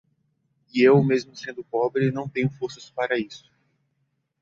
E eu, mesmo sendo pobre, não tenho forças para isso.